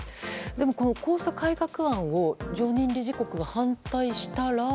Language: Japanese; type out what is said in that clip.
でも、こうした改正案を常任理事国が反対したら。